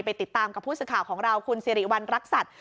ไปติดตามกับผู้สื่อข่าวของเราคุณสิริวัณรักษัตริย์